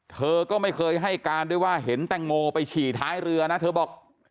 เธอก็ไม่เคยให้การด้วยว่าเห็นแตงโมไปฉี่ท้ายเรือนะเธอบอก